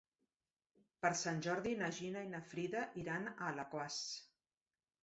Per Sant Jordi na Gina i na Frida iran a Alaquàs.